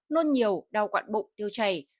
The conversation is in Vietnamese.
nôn nhiều đau quạn bụng tiêu chảy